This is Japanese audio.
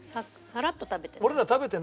さらっと食べて。